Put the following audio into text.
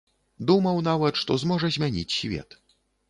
Думаў нават, што зможа змяніць свет.